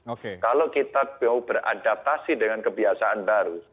kalau kita mau beradaptasi dengan kebiasaan baru